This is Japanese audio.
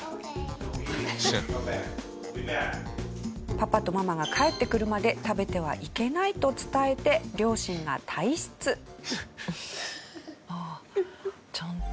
パパとママが帰ってくるまで食べてはいけないと伝えてああちゃんと。